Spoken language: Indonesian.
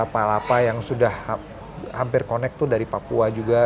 palapa yang sudah hampir connect tuh dari papua juga